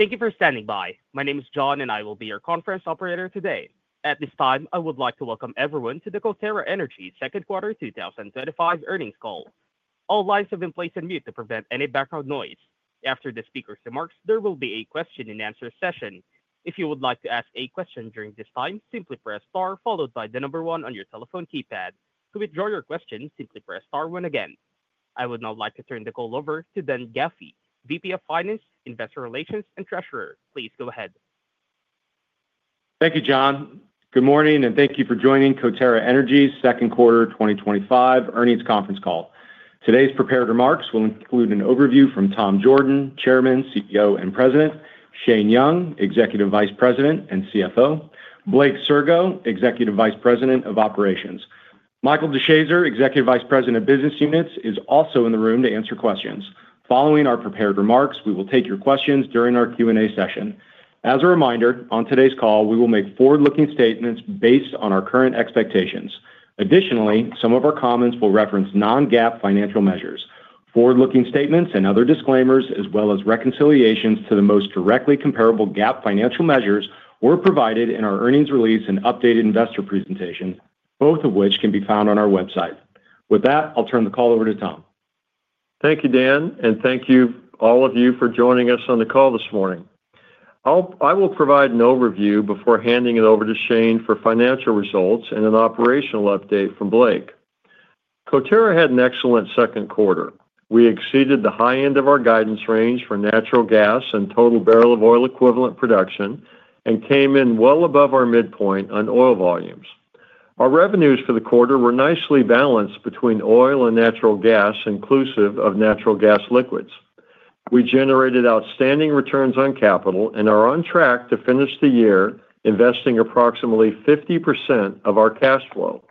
Thank you for standing by. My name is John and I will be your conference operator today. At this time, I would like to welcome everyone to the Coterra Energy second quarter 2025 earnings call. All lines have been placed on mute to prevent any background noise. After the speaker's remarks, there will be a question and answer session. If you would like to ask a question during this time, simply press STAR followed by the number one on your telephone keypad. To withdraw your question, simply press STAR one again. I would now like to turn the call over to Dan Guffey, VP of Finance, Investor Relations and Treasurer. Please go ahead. Thank you, John. Good morning and thank you for joining Coterra Energy's second quarter 2025 earnings conference call. Today's prepared remarks will include an overview from Tom Jorden, Chairman, CEO, and President; Shane Young, Executive Vice President and CFO; Blake Sirgo, Executive Vice President of Operations. Michael DeShazer, Executive Vice President of Business Units, is also in the room to answer questions following our prepared remarks. We will take your questions during our Q&A session. As a reminder, on today's call we will make forward-looking statements based on our current expectations. Additionally, some of our comments will reference non-GAAP financial measures. Forward-looking statements and other disclaimers, as well as reconciliations to the most directly comparable GAAP financial measures, were provided in our earnings release and updated investor presentation, both of which can be found on our website. With that, I'll turn the call over to Tom. Thank you, Dan, and thank you all of you for joining us on the call this morning. I will provide an overview before handing it over to Shane for financial results and an operational update from Blake. Coterra had an excellent second quarter. We exceeded the high end of our guidance range for natural gas and total barrel of oil equivalent production and came in well above our midpoint on oil volumes. Our revenues for the quarter were nicely balanced between oil and natural gas, inclusive of natural gas liquids. We generated outstanding returns on capital and are on track to finish the year investing approximately 50% of our cash flow.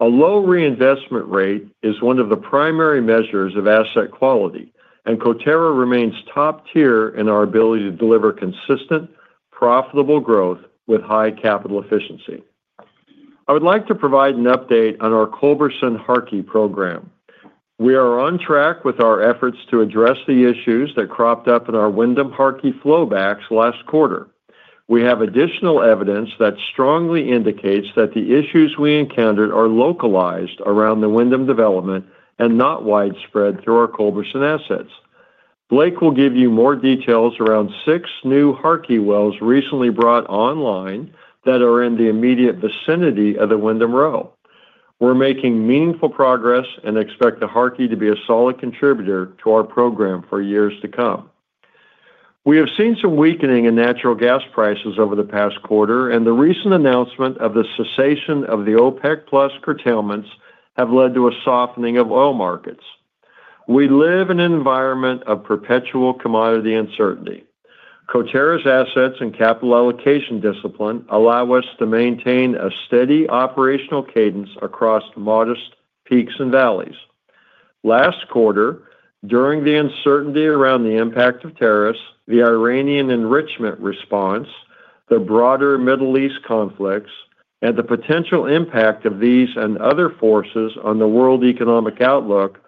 A low reinvestment rate is one of the primary measures of asset quality, and Coterra remains top tier in our ability to deliver consistent profitable growth with high capital efficiency. I would like to provide an update on our Culberson Harkey program. We are on track with our efforts to address the issues that cropped up in our Windham Harkey flowbacks last quarter. We have additional evidence that strongly indicates that the issues we encountered are localized around the Windham development and not widespread through our Culberson assets. Blake will give you more details around six new Harkey wells recently brought online that are in the immediate vicinity of the Windham row. We're making meaningful progress and expect the Harkey to be a solid contributor to our program for years to come. We have seen some weakening in natural gas prices over the past quarter, and the recent announcement of the cessation of the OPEC+ curtailments have led to a softening of oil markets. We live in an environment of perpetual commodity uncertainty. Coterra's assets and capital allocation discipline allow us to maintain a steady operational cadence across modest peaks and valleys. Last quarter, during the uncertainty around the impact of tariffs, the Iranian enrichment response, the broader Middle East conflicts, and the potential impact of these and other forces on the world economic outlook,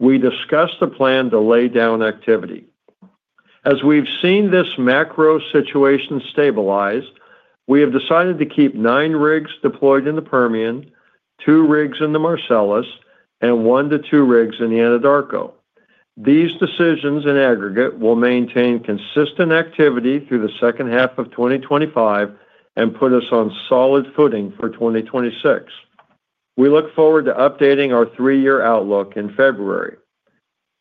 we discussed the plan to lay down activity. As we've seen this macro situation stabilize, we have decided to keep nine rigs deployed in the Permian, two rigs in the Marcellus, and one to two rigs in the Anadarko. These decisions in aggregate will maintain consistent activity through the second half of 2025 and put us on solid footing for 2026. We look forward to updating our three year outlook in February.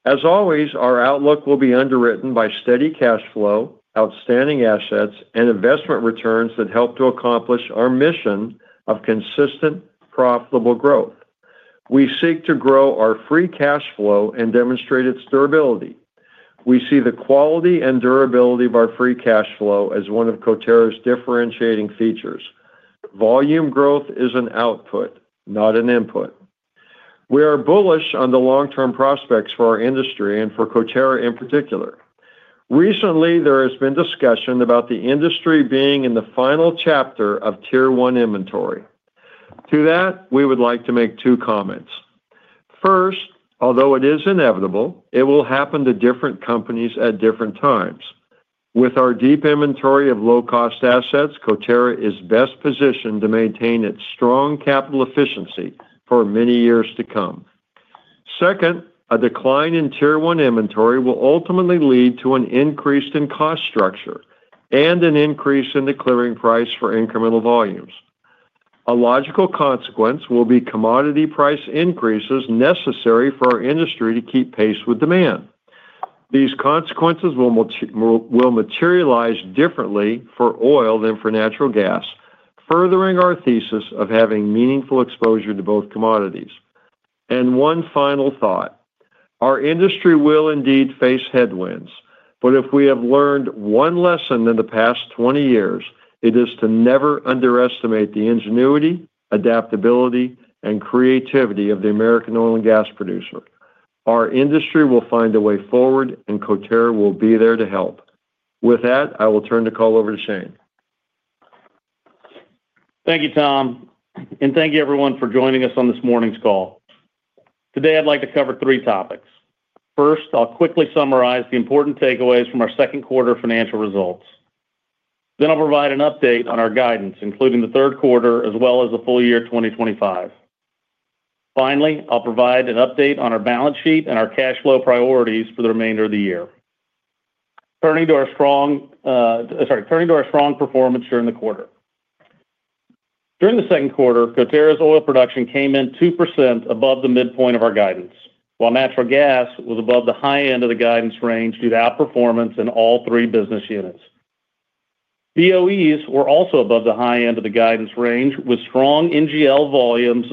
As always, our outlook will be underwritten by steady cash flow, outstanding assets, and investment returns that help to accomplish our mission of consistent, profitable growth. We seek to grow our free cash flow and demonstrate its durability. We see the quality and durability of our free cash flow as one of Coterra's differentiating features. Volume growth is an output, not an input. We are bullish on the long term prospects for our industry and for Coterra in particular. Recently, there has been discussion about the industry being in the final chapter of Tier 1 inventory. To that, we would like to make two comments. First, although it is inevitable, it will happen to different companies at different times. With our deep inventory of low-cost assets, Coterra is best positioned to maintain its strong capital efficiency for many years to come. Second, a decline in Tier 1 inventory will ultimately lead to an increase in cost structure and an increase in the clearing price for incremental volumes. A logical consequence will be commodity price increases necessary for our industry to keep pace with demand. These consequences will materialize differently for oil than for natural gas, furthering our thesis of having meaningful exposure to both commodities. One final thought, our industry will indeed face headwinds. If we have learned one lesson in the past 20 years, it is to never underestimate the ingenuity, adaptability, and creativity of the American oil and gas producer. Our industry will find a way forward and Coterra will be there to help with that. I will turn the call over to Shane. Thank you, Tom, and thank you, everyone, for joining us on this morning's call. Today, I'd like to cover three topics. First, I'll quickly summarize the important takeaways from our second quarter financial results. Then I'll provide an update on our guidance including the third quarter as well as the full year 2025. Finally, I'll provide an update on our balance sheet and our cash flow priorities for the remainder of the year. Turning to our strong performance during the quarter. During the second quarter, Coterra's oil production came in 2% above the midpoint of our guidance, while natural gas was above the high end of the guidance range due to outperformance in all three business units. BOEs were also above the high end of the guidance range with strong NGL volumes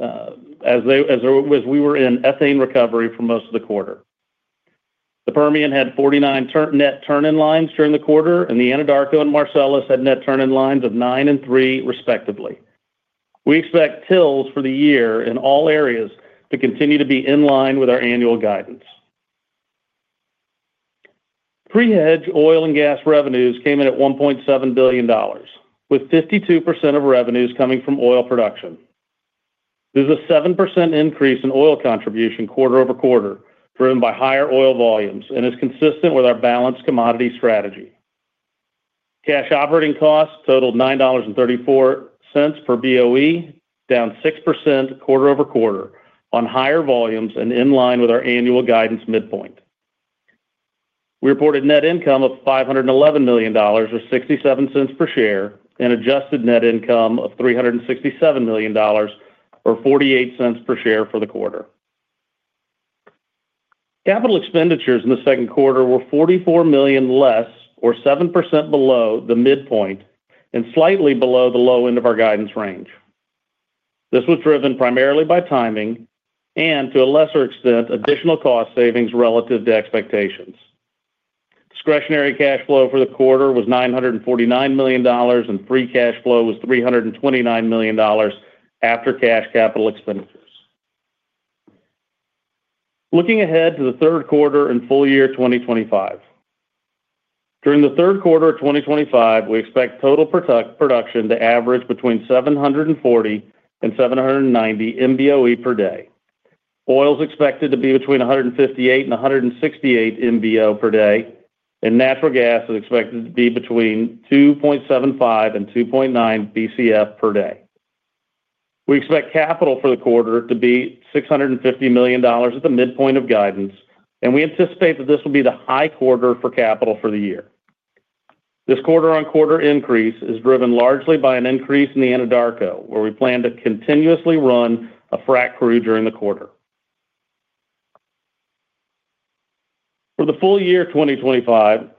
as we were in ethane recovery for most of the quarter. The Permian had 49 net turn-in-lines during the quarter, and the Anadarko and Marcellus had net turn-in-lines of 9 and 3, respectively. We expect tills for the year in all areas to continue to be in line with our annual guidance. Pre-hedge oil and gas revenues came in at $1.7 billion with 52% of revenues coming from oil production. There's a 7% increase in oil contribution quarter-over-quarter driven by higher oil volumes and is consistent with our balanced commodity strategy. Cash operating costs totaled $9.34 per BOE, down 6% quarter-over-quarter on higher volumes and in line with our annual guidance midpoint. We reported net income of $511 million, or $0.67 per share, and adjusted net income of $367 million, or $0.48 per share, for the quarter. Capital expenditures in the second quarter were $44 million less, or 7% below the midpoint, and slightly below the low end of our guidance range. This was driven primarily by timing and, to a lesser extent, additional cost savings relative to expectations. Discretionary cash flow for the quarter was $949 million, and free cash flow was $329 million after cash capital expenditures. Looking ahead to the third quarter and full year 2025, during the third quarter of 2025, we expect total production to average between 740 and 790 MBOE per day. Oil is expected to be between 158 and 168 MBOE per day, and natural gas is expected to be between 2.75 and 2.9 BCF per day. We expect capital for the quarter to be $650 million at the midpoint of guidance, and we anticipate that this will be the high quarter for capital for the year. This quarter-on-quarter increase is driven largely by an increase in the Anadarko where we plan to continuously run a frac crew during the quarter. For the full year 2025,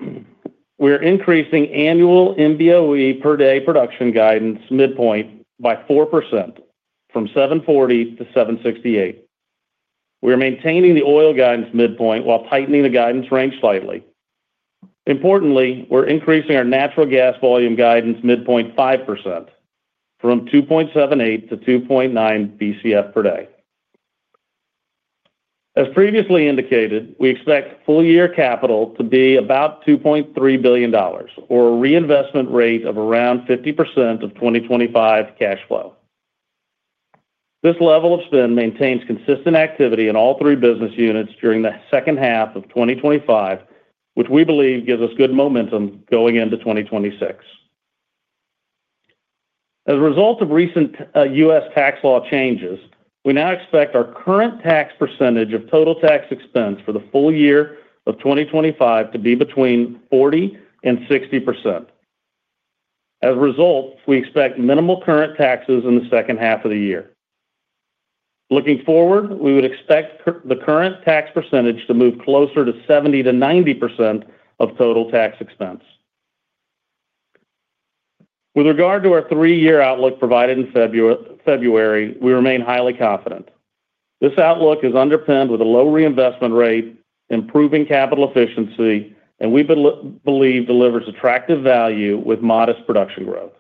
we are increasing annual MBOE per day production guidance midpoint by 4% from 740 to 768. We are maintaining the oil guidance midpoint while tightening the guidance range slightly. Importantly, we're increasing our natural gas volume guidance midpoint 5% from 2.78 to 2.9 BCF per day. As previously indicated, we expect full year capital to be about $2.3 billion or a reinvestment rate of around 50% of 2025 cash flow. This level of spend maintains consistent activity in all 3 business units during the second half of 2025, which we believe gives us good momentum going into 2026. As a result of recent U.S. tax law changes, we now expect our current tax percentage of total tax expense for the full year of 2025 to be between 40% and 60%. As a result, we expect minimal current taxes in the second half of the year. Looking forward, we would expect the current tax percentage to move closer to 70%-90% of total tax expense. With regard to our three-year outlook provided in February, we remain highly confident. This outlook is underpinned with a low reinvestment rate, improving capital efficiency, and we believe delivers attractive value with modest production growth.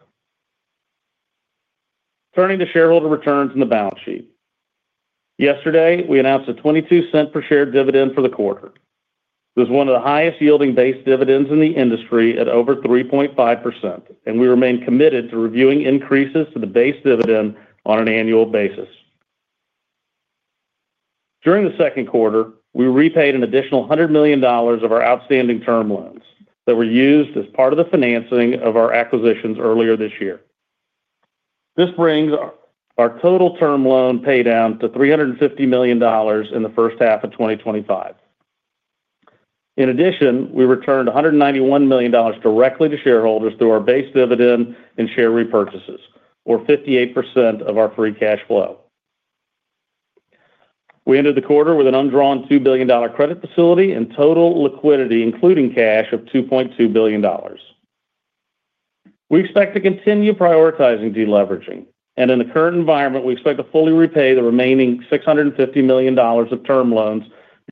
Turning to shareholder returns and the balance sheet. Yesterday we announced a $0.22 per share dividend for the quarter. This is one of the highest yielding base dividends in the industry at over 3.5%, and we remain committed to reviewing increases to the base dividend on an annual basis. During the second quarter, we repaid an additional $100 million of our outstanding term loans that were used as part of the financing of our acquisitions earlier this year. This brings our total term loan pay down to $350 million in the first half of 2025. In addition, we returned $191 million directly to shareholders through our base dividend and share repurchases, or 58% of our free cash flow. We ended the quarter with an undrawn $2 billion credit facility and total liquidity including cash of $2.2 billion. We expect to continue prioritizing deleveraging, and in the current environment we expect to fully repay the remaining $650 million of term loans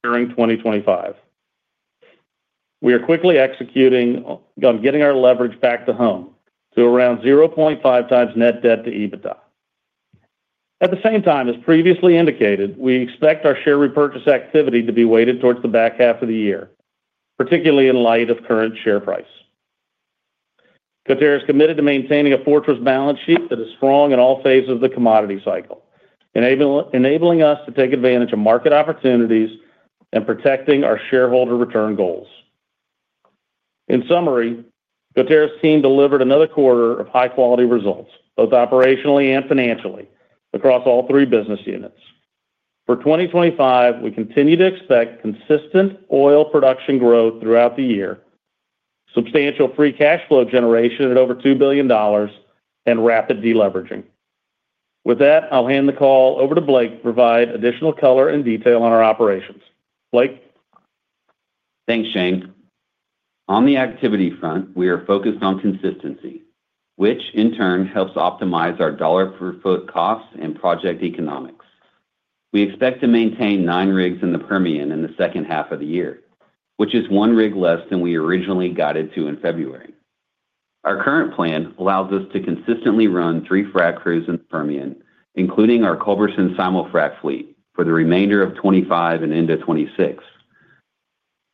during 2025. We are quickly executing on getting our leverage back to home to around 0.5x net debt to EBITDA. At the same time as previously indicated, we expect our share repurchase activity to be weighted towards the back half of the year, particularly in light of current share price. Coterra is committed to maintaining a fortress balance sheet that is strong in all phases of the commodity cycle, enabling us to take advantage of market opportunities and protecting our shareholder return goals. In summary, Coterra's team delivered another quarter of high quality results both operationally and financially across all three business units. For 2025, we continue to expect consistent oil production growth throughout the year, substantial free cash flow generation at over $2 billion and rapid deleveraging. With that, I'll hand the call over to Blake to provide additional color and detail on our operations. Blake? Thanks Shane. On the activity front, we are focused on consistency, which in turn helps optimize our dollar per foot costs and project economics. We expect to maintain nine rigs in the Permian in the second half of the year, which is one rig less than we originally guided to in February. Our current plan allows us to consistently run three frac crews in the Permian, including our Culberson Simul-frac fleet for the remainder of 2025 and into 2026.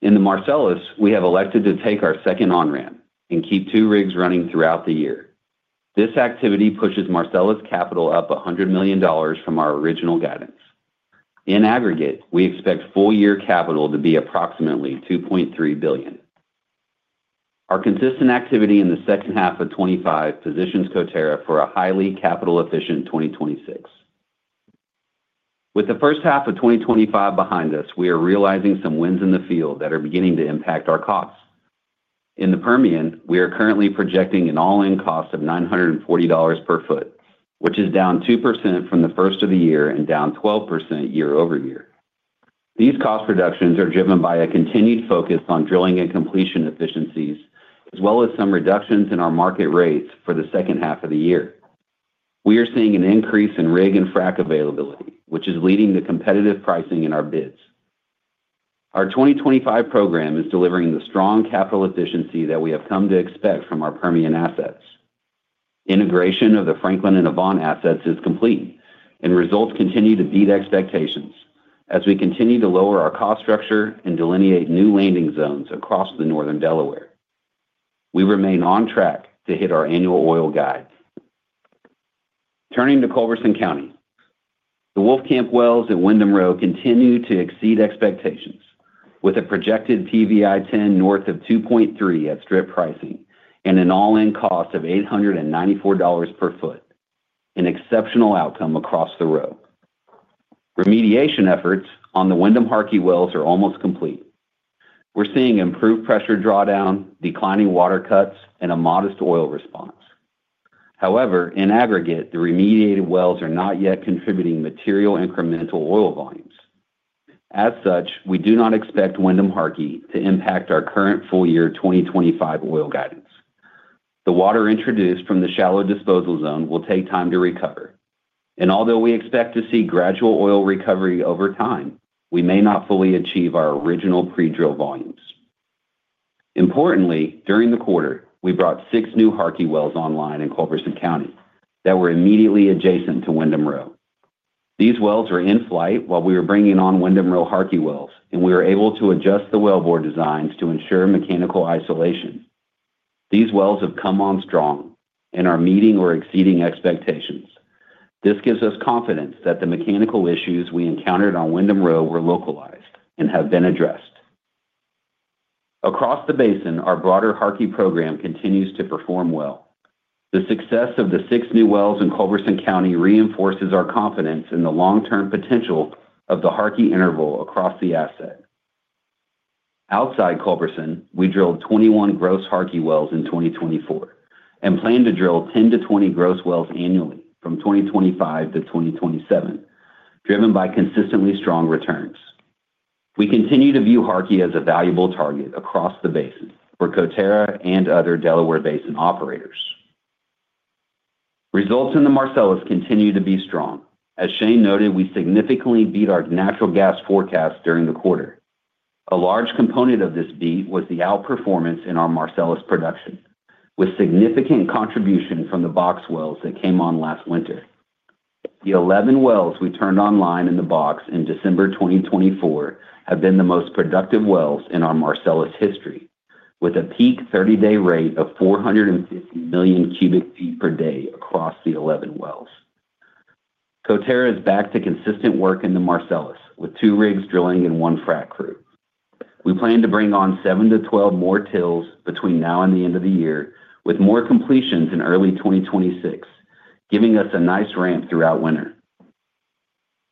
In the Marcellus, we have elected to take our second on-ramp and keep two rigs running throughout the year. This activity pushes Marcellus' capital up $100 million from our original guidance. In aggregate, we expect full year capital to be approximately $2.3 billion. Our consistent activity in second half of 2025 positions Coterra for a highly capital efficient 2026. With the first half of 2025 behind us, we are realizing some wins in the field that are beginning to impact our costs. In the Permian, we are currently projecting an all-in cost of $940 per foot, which is down 2% from the first of the year and down 12% year-over-year. These cost reductions are driven by a continued focus on drilling and completion efficiencies as well as some reductions in our market rates for the second half of the year. We are seeing an increase in rig and frac availability, which is leading to competitive pricing in our bids. Our 2025 program is delivering the strong capital efficiency that we have come to expect from our Permian assets. Integration of the Franklin and Avant assets is complete, and results continue to beat expectations as we continue to lower our cost structure and delineate new landing zones across the northern Delaware. We remain on track to hit our annual oil guide. Turning to Culberson County, the Wolfcamp wells at Windham Row continue to exceed expectations with a projected PVI 10 north of 2.3 at strip pricing and an all-in cost of $894 per foot, an exceptional outcome across the row. Remediation efforts on the Windham Harkey wells are almost complete. We're seeing improved pressure drawdown, declining water cuts, and a modest oil response. However, in aggregate, the remediated wells are not yet contributing material incremental oil volumes. As such, we do not expect Windham Harkey to impact our current full year 2025 oil guidance. The water introduced from the shallow disposal zone will take time to recover, and although we expect to see gradual oil recovery over time, we may not fully achieve our original pre-drill volumes. Importantly, during the quarter we brought six new Harkey wells online in Culberson County that were immediately adjacent to Windham Row. These wells are in flight while we were bringing on Windham Row Harkey wells, and we were able to adjust the wellbore designs to ensure mechanical isolation. These wells have come on strong and are meeting or exceeding expectations. This gives us confidence that the mechanical issues we encountered on Windham Row were localized and have been addressed. Across the basin, our broader Harkey program continues to perform well. The success of the six new wells in Culberson County reinforces our confidence in the long-term potential of the Harkey interval across the asset. Outside Culberson, we drilled 21 gross Harkey wells in 2024 and plan to drill 10 to 20 gross wells annually from 2025 to 2027, driven by consistently strong returns. We continue to view Harkey as a valuable target across the basin for Coterra and other Delaware Basin operators. Results in the Marcellus continue to be strong. As Shane noted, we significantly beat our natural gas forecast during the quarter. A large component of this beat was the outperformance in our Marcellus production with significant contribution from the box wells that came on last winter. The 11 wells we turned online in the box in December 2024 have been the most productive wells in our Marcellus history, with a peak 30-day rate of 450 million cu ft per day across the 11 wells. Coterra is back to consistent work in the Marcellus with two rigs drilling and one frac crew. We plan to bring on seven to 12 more tills between now and the end of the year, with more completions in early 2025, giving us a nice ramp throughout winter.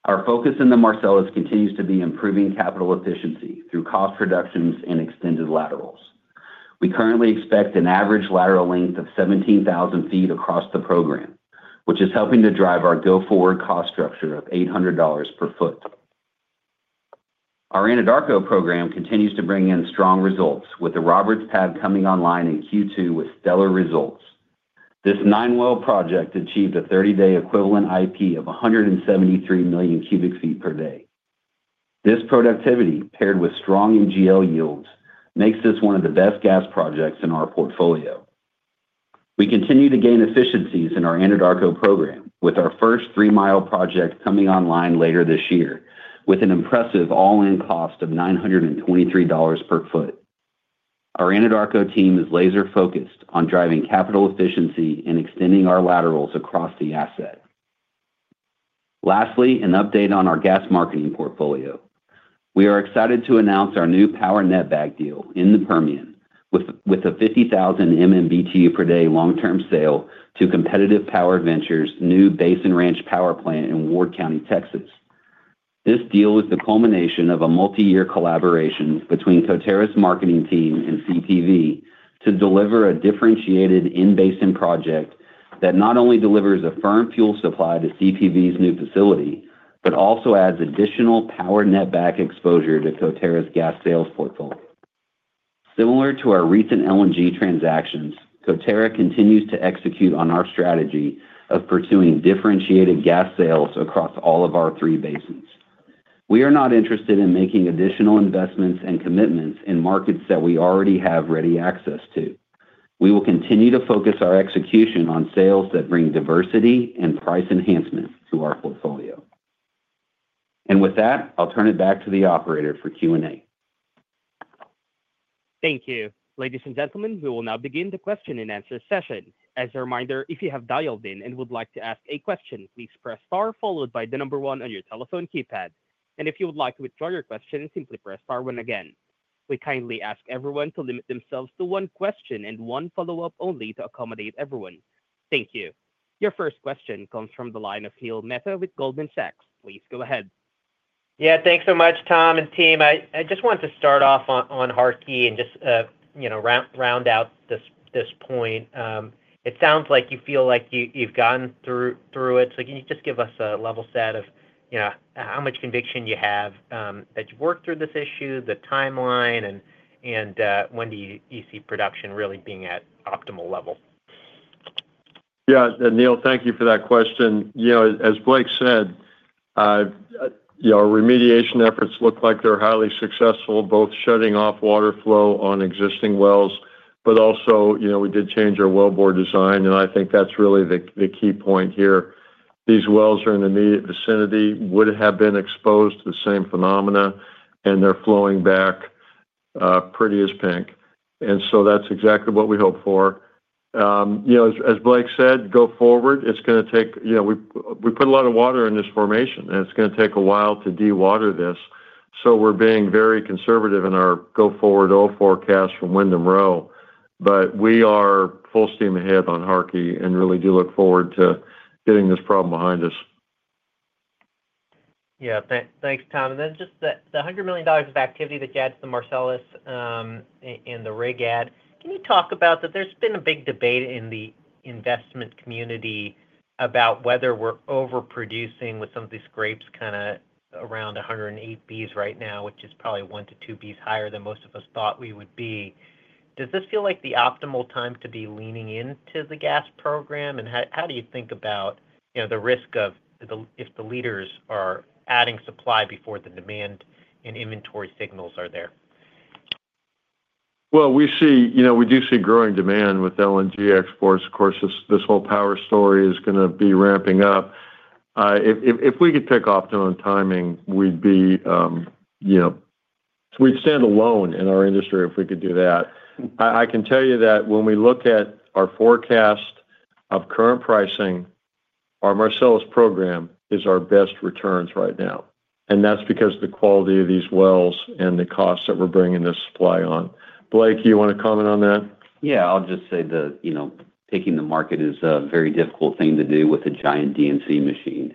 Our focus in the Marcellus continues to be improving capital efficiency through cost reductions and extended laterals. We currently expect an average lateral length of 17,000 ft across the program, which is helping to drive our go-forward cost structure of $800 per foot. Our Anadarko program continues to bring in strong results with the Roberts Pad coming online in Q2 with stellar results. This nine-well project achieved a 30-day equivalent IP of 173 million cu ft per day. This productivity paired with strong NGL yields makes this one of the best gas projects in our portfolio. We continue to gain efficiencies in our Anadarko program with our first 3 mi project coming online later this year with an impressive all-in cost of $923 per foot. Our Anadarko team is laser focused on driving capital efficiency and extending our laterals across the asset. Lastly, an update on our gas marketing portfolio. We are excited to announce our new power netback deal in the Permian with a 50,000 MMBtu per day long-term sale to Competitive Power Ventures New Basin Ranch Power Plant in Ward County, Texas. This deal was the culmination of a multi-year collaboration between Coterra's marketing team and CPV to deliver a differentiated in-basin project that not only delivers a firm fuel supply to CPV's new facility, but also adds additional power netback exposure to Coterra's gas sales portfolio. Similar to our recent LNG sales agreements, Coterra continues to execute on our strategy of pursuing differentiated gas sales across all of our three basins. We are not interested in making additional investments and commitments in markets that we already have ready access to. We will continue to focus our execution on sales that bring diversity and price enhancements to our portfolio. With that, I'll turn it back to the operator for Q&A. Thank you, ladies and gentlemen. We will now begin the question and answer session. As a reminder, if you have dialed in and would like to ask a question, please press Star followed by the number one on your telephone keypad, and if you would like to withdraw your question, simply press Star one. Again, we kindly ask everyone to limit themselves to one question and one follow-up only to accommodate everyone. Thank you. Your first question comes from the line of Neil Mehta with Goldman Sachs. Please go ahead. Yeah, thanks so much, Tom and team. I just want to start off on Harkey, and just, you know, round out this point. It sounds like you feel like you've gone through it. Can you just give us a level set of how much conviction you have that you work through this issue, the timeline, and when do you see production really being at optimal level? Yeah, Neil, thank you for that question. You know, as Blake said, your remediation efforts look like they're highly successful, both shutting off water flow on existing wells, but also, you know, we did change our wellbore design and I think that's really the key point here. These wells are in the immediate vicinity, would have been exposed to the same phenomena and they're flowing back pretty as pink. That's exactly what we hope for. You know, as Blake said, going forward, it's going to take, you know, we put a lot of water in this formation and it's going to take a while to dewater this. We are being very conservative in our go forward forecast from Windham row, but we are full steam ahead on Harkey and really do look forward to getting this problem behind us. Yeah, thanks, Tom. Just the $100 million of activity that you add to the Marcellus and the rig add. Can you talk about that? There's been a big debate in the investment community about whether we're overproducing with some of these grades kind of around [108 BCF] right now, which is probably [1-2 BCF] higher than most of us thought we would be. Does this feel like the optimal time to be leaning into the gas program? How do you think about the risk of if the leaders are adding supply before the demand and inventory signals are there? We see, you know, we do see growing demand with LNG exports. Of course, this whole power story is going to be ramping up. If we could pick off to on timing, we'd be, you know, we'd stand alone in our industry if we could do that. I can tell you that when we look at our forecast of current pricing, our Marcellus program is our best returns right now. That's because of the quality of these wells and the costs that we're bringing this supply on. Blake, you want to comment on that? I'll just say, you know, picking the market is a very difficult thing to do with a giant D&C machine.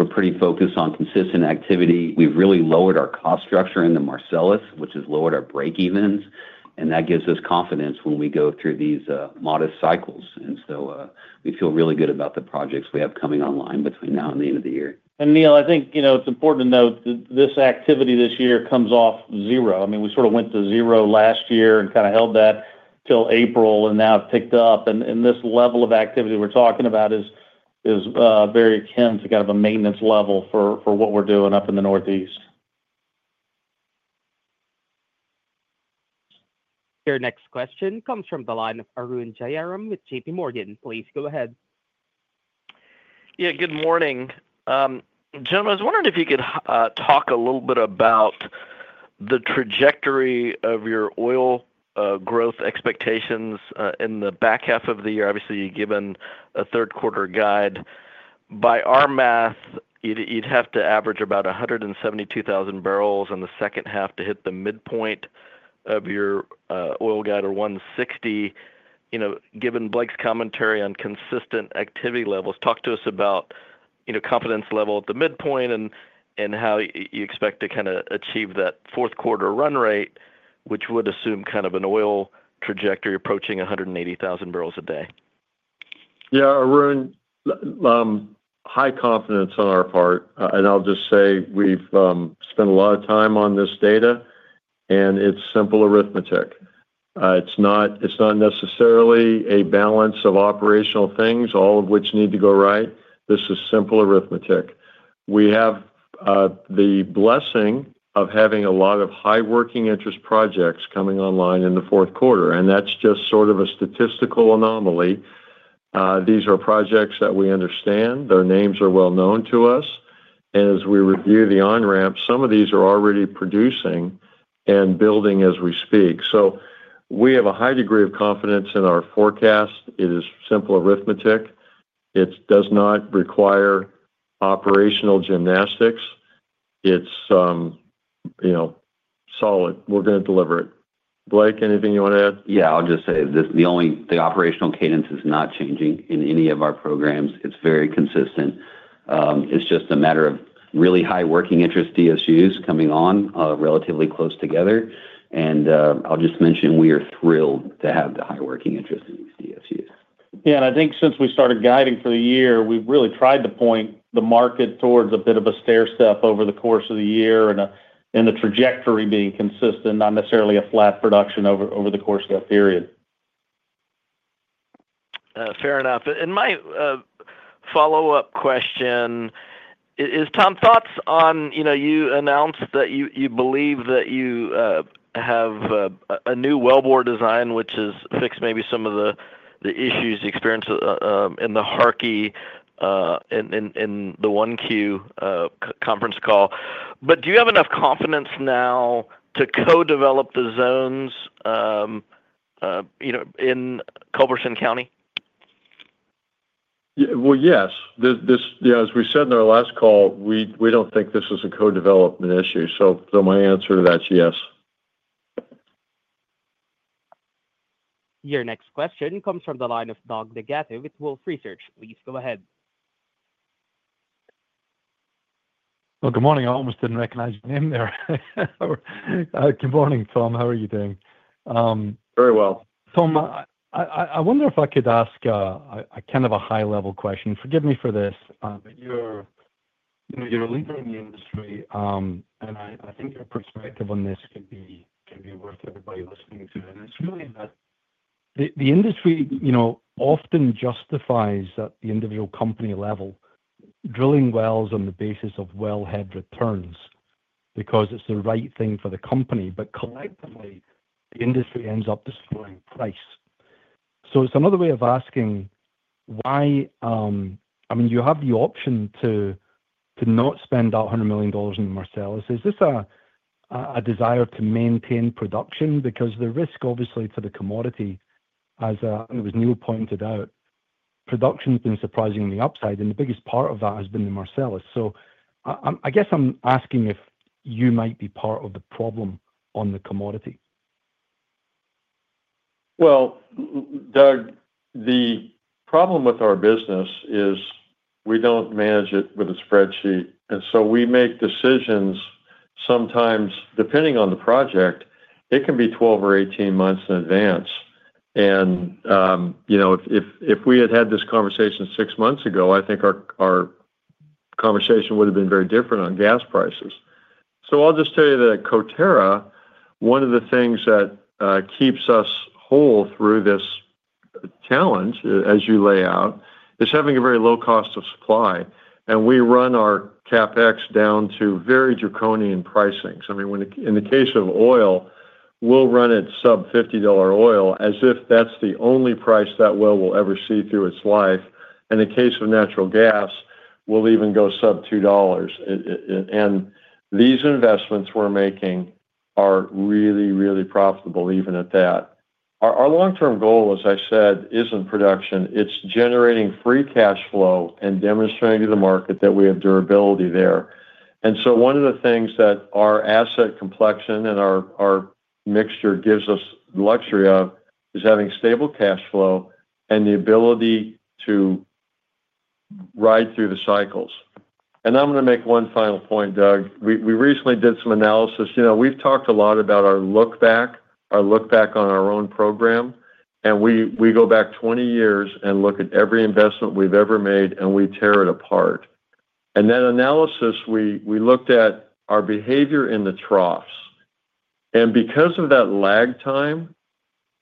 We're pretty focused on consistent activity. We've really lowered our cost structure in the Marcellus, which has lowered our break-evens, and that gives us confidence when we go through these modest cycles. We feel really good about the projects we have coming online between now and the end of the year. Neil, I think it's important to note that this activity this year comes off zero. We sort of went to zero last year and kind of held that till April and now picked up. This level of activity we're talking about is very akin to kind of a maintenance level for what we're doing up in the Northeast. Your next question comes from the line of Arun Jayaram with JPMorgan. Please go ahead. Yeah, good morning, gentlemen. I was wondering if you could talk a little bit about the trajectory of your oil growth expectations in the back half of the year. Obviously you've given a third quarter guide. By our math, you'd have to average about 172,000 barrels in the second half to hit the midpoint of your oil guide, or 160,000. Given Blake's commentary on consistent activity levels, talk to us about confidence level at the midpoint and how you expect to achieve that fourth quarter run rate, which would assume kind of an oil trajectory approaching 180,000 barrels a day. Yeah, we're in high confidence on our part, and I'll just say we've spent a lot of time on this data, and it's simple arithmetic. It's not necessarily a balance of operational things, all of which need to go right. This is simple arithmetic. We have the blessing of having a lot of high working interest projects coming online in the fourth quarter. That's just sort of a statistical anomaly. These are projects that we understand, their names are well known to us, and as we review the on-ramp, some of these are already producing and building as we speak. We have a high degree of confidence in our forecast. It is simple arithmetic. It does not require operational gymnastics. It's, you know, solid. We're going to deliver it. Blake, anything you want to add? Yeah, I'll just say this. The only, the operational cadence is not changing in any of our programs. It's very consistent. It's just a matter of really high working interest DSUs coming on relatively close together, and I'll just mention we are thrilled to have the high working interest in these DSUs. Yeah. I think since we started guiding for the year, we've really tried to point the market towards a bit of a stair step over the course of the year, and the trajectory being consistent, not necessarily a flat production over the course of that period. Fair enough. My follow up question is, Tom, thoughts on, you know, you announced that you believe that you have a new wellbore design which has fixed maybe some of the issues you experienced in the Harkey in the 1Q conference call. Do you have enough confidence now to co-develop the zones in Culberson County? Yes, as we said in our last call, we don't think this is a co-development issue. My answer to that is yes. Your next question comes from the line of Doug Leggate with Wolfe Research. Please go ahead. Good morning. I almost didn't recognize your name there. Good morning, Tom. How are you doing? Very well. Tom, I wonder if I could ask a kind of a high-level question. Forgive me for this, but you're a leader in the industry and I think your perspective on this can be worth everybody listening to it. It's really hard. The industry often justifies at the individual company level drilling wells on the basis of wellhead returns because it's the right thing for the company. Collectively, the industry ends up destroying price. It's another way of asking why. I mean you have the option to not spend that $100 million in Marcellus. Is this a desire to maintain production? The risk obviously to the commodity, as Neil pointed out, production has been surprising, the upside and the biggest part of that has been the Marcellus. I guess I'm asking if you might be part of the problem on the commodity. Doug, the problem with our business is we don't manage it with a spreadsheet. We make decisions. Sometimes depending on the project it can be 12 or 18 months in advance. If we had had this conversation six months ago, I think our conversation would have been very different on gas prices. I'll just tell you that Coterra, one of the things that keeps us whole through this challenge, as you lay out, is having a very low cost of supply. We run our CapEx down to very draconian pricing. I mean in the case of oil, we'll run it sub $50 oil as if that's the only price that well will ever see through its life. In the case of natural gas, we'll even go sub $2. These investments we're making are really, really profitable even at that. Our long term goal, as I said, isn't production. It's generating free cash flow and demonstrating to the market that we have durability there. One of the things that our asset complexion and our mixture gives us luxury of is having stable cash flow and the ability to ride through the cycles. I'm going to make one final point, Doug. We recently did some analysis. We've talked a lot about our look back, our look back on our own program and we go back 20 years and look at every investment we've ever made and we tear it apart. In that analysis we looked at our behavior in the troughs and because of that lag time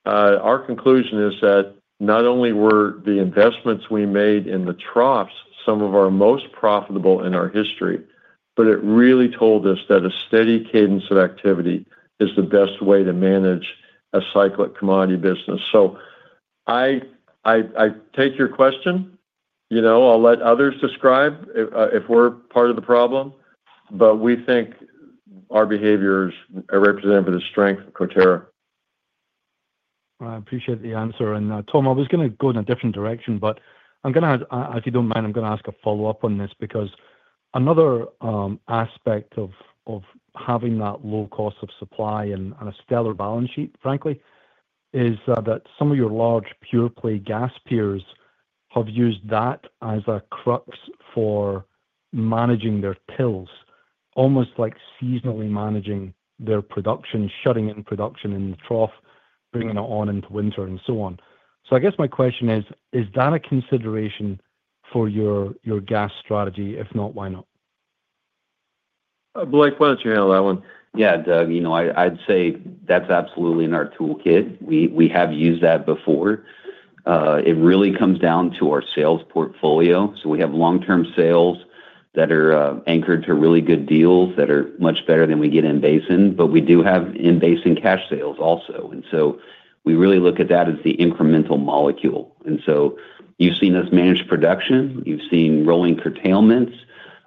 our conclusion is that not only were the investments we made in the troughs some of our most profitable in our history, but it really told us that a steady cadence of activity is the best way to manage a cyclic commodity business. I take your question. I'll let others describe if we're part of the problem, but we think our behaviors are represented by the strength of Coterra. I appreciate the answer, and Tom, I was going to go in a different direction, but if you don't mind, I'm going to ask a follow-up on this because another aspect of having that low cost of supply and a stellar balance sheet, frankly, is that some of your large pure play gas peers have used that as a crux for managing their tills, almost like seasonally managing their production, shutting in production in trough, bringing it on into winter and so on. I guess my question is is that a consideration for your gas strategy? If not, why not? Blake, why don't you handle that one? Yeah Doug, I'd say that's absolutely in our toolkit. We have used that before. It really comes down to our sales portfolio. We have long-term sales that are anchored to really good deals that are much better than we get in basin. We do have in-basin cash sales also. We really look at that as the incremental molecule. You've seen us manage production, you've seen rolling curtailments,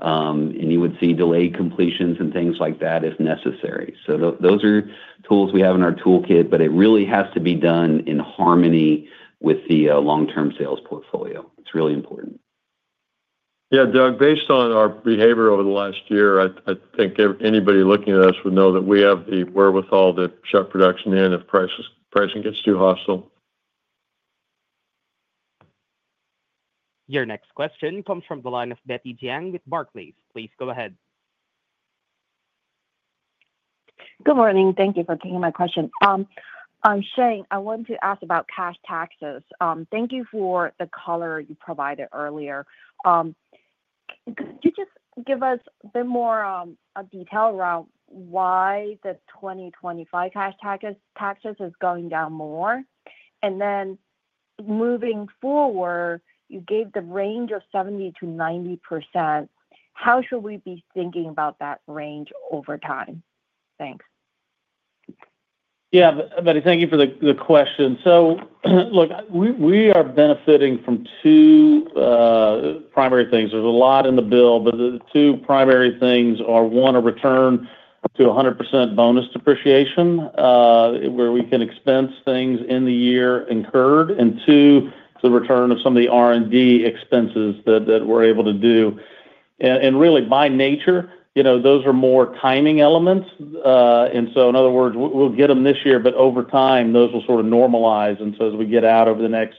and you would see delayed completions and things like that if necessary. Those are tools we have in our toolkit, but it really has to be done in harmony with the long-term sales portfolio. It's really important. Yeah, Doug, based on our behavior over the last year, I think anybody looking at us would know that we have the wherewithal to shut production in if pricing gets too hostile. Your next question comes from the line of Betty Jiang with Barclays. Please go ahead. Good morning. Thank you for taking my question. Shane, I want to ask about cash taxes. Thank you for the color you provided earlier. Could you just give us a bit more detail around why the 2025 cash taxes is going down more, and then moving forward you gave the range of 70%-90%. How should we be thinking about that range over time? Thanks. Yeah Betty, thank you for the question. We are benefiting from two primary things. There's a lot in the bill, but the two primary things are, one, a return to 100% bonus depreciation where we can expense things in the year incurred, and two, the return of some of the R&D expenses that we're able to do. Really, by nature, those are more timing elements. In other words, we'll get them this year, but over time those will sort of normalize. As we get out over the next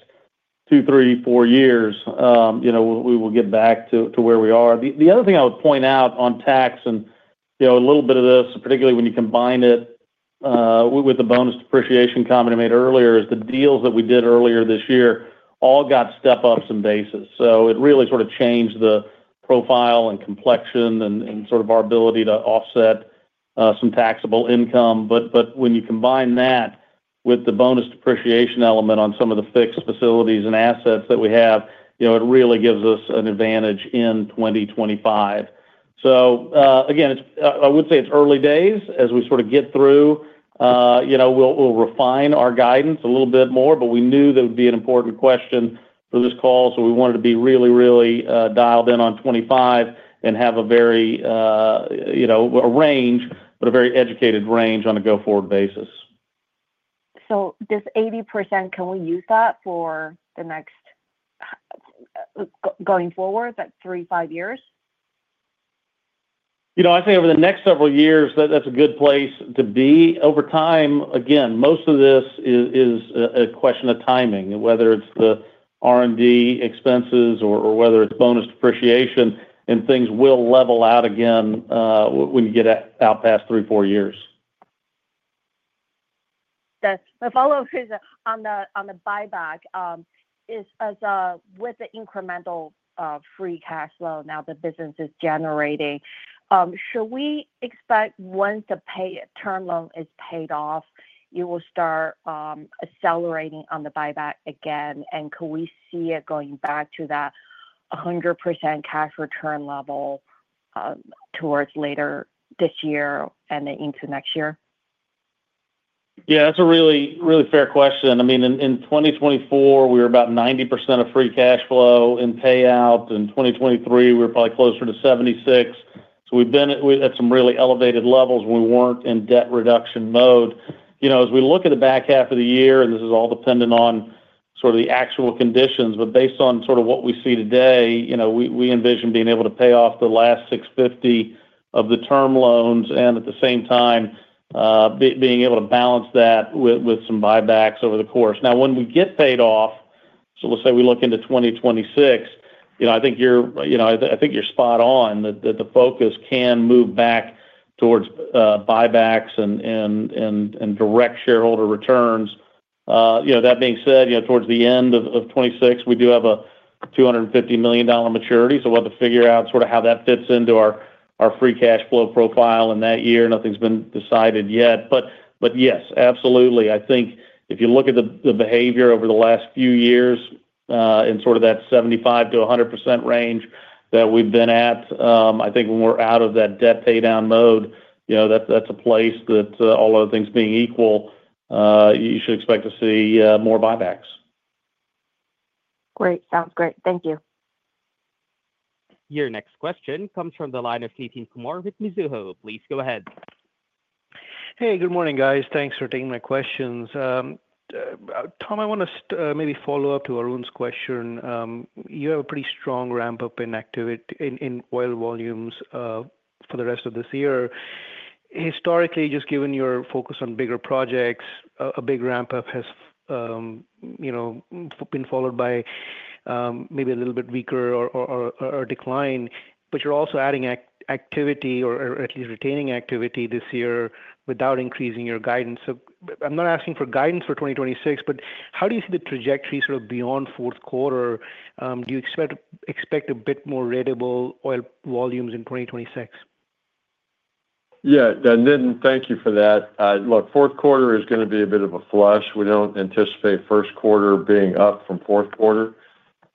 two, three, four years, we will get back to where we are. The other thing I would point out on tax, particularly when you combine it with the bonus depreciation comment I made earlier, is the deals that we did earlier this year all got step ups in basis. It really sort of changed the profile and complexion and our ability to offset some taxable income. When you combine that with the bonus depreciation element on some of the fixed facilities and assets that we have, it really gives us an advantage in 2025. Again, I would say it's early days as we sort of get through, we'll refine our guidance a little bit more. We knew there would be an important question for this call, so we wanted to be really, really dialed in on 2025 and have a very, you know, a range but a very educated range on a go forward basis. This 80%, can we use that for the next, going forward, that three, five years? I think over the next several years that's a good place to be over time. Most of this is a question of timing, whether it's the R&D expenses or whether it's bonus depreciation, and things will level out again when you get out past three, four years. My follow up is on the buyback. With the incremental free cash flow now the business is generating, should we expect once the term loan is paid off, you will start accelerating on the buyback again? Could we see it going back to that 100% cash return level towards later this year and into next year? Yeah, that's a really, really fair question. I mean, in 2024 we were about 90% of free cash flow in payout. In 2023 we were probably closer to 76%. We have been at some really elevated levels. We were not in debt reduction mode. As we look at the back half of the year, and this is all dependent on the actual conditions, but based on what we see today, we envision being able to pay off the last $650 million of the term loans and at the same time being able to balance that with some buybacks over the course. Now, when we get paid off, let's say we look into 2026, I think you're spot on that the focus can move back towards buybacks and direct shareholder returns. That being said, towards the end of 2026, we do have a $250 million maturity. We will have to figure out how that fits into our free cash flow profile in that year. Nothing's been decided yet, but yes, absolutely. I think if you look at the behavior over the last few years in that 75%-100% range that we have been at, I think when we are out of that debt pay down mode, that's a place that, all other things being equal, you should expect to see more buybacks. Great. Sounds great. Thank you. Your next question comes from the line of Nitin Kumar with Mizuho. Please go ahead. Hey, good morning guys. Thanks for taking my questions. Tom, I want to maybe follow up to Arun's question. You have a pretty strong ramp up in activity in oil volumes for the rest of this year. Historically, just given your focus on bigger projects, a big ramp up has been followed by maybe a little bit weaker or decline. You're also adding activity or at least retaining activity this year without increasing your guidance. I'm not asking for guidance for 2026, but how do you see the trajectory sort of beyond fourth quarter? Do you expect a bit more rattable oil volumes in 2026? Yeah, Nitin, thank you for that. Look, fourth quarter is going to be a bit of a flush. We don't anticipate first quarter, fourth quarter,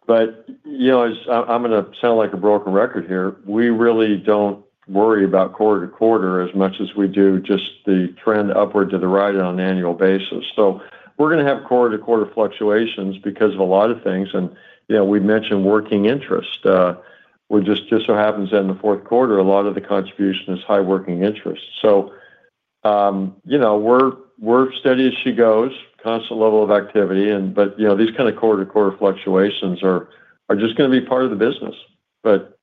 but you know, I'm going to sound like a broken record here. We really don't worry about quarter to quarter as much as we do, just the trend upward to the right on an annual basis. We're going to have quarter-to-quarter fluctuations because of a lot of things. We mentioned working interest. It just so happens in the fourth quarter a lot of the contribution is high working interest. We're work steady as she goes, constant level of activity. These kind of quarter fluctuations are just going to be part of the business.